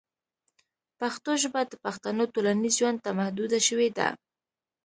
پښتو ژبه د پښتنو ټولنیز ژوند ته محدوده شوې ده.